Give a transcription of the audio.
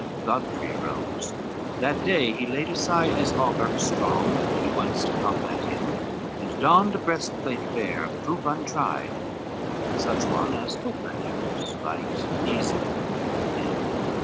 Godfrey arose, that day he laid aside His hauberk strong he wonts to combat in, And donned a breastplate fair, of proof untried, Such one as footmen use, light, easy, thin.